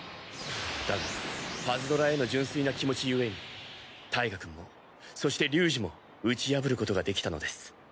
だがパズドラへの純粋な気持ちゆえにタイガくんもそして龍二も打ち破ることができたのです。